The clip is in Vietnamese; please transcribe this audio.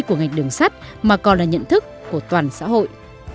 của ngành đường sắt mà còn là nhận thức của toàn xã hội